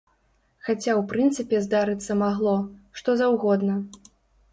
Хаця ў прынцыпе здарыцца магло, што заўгодна.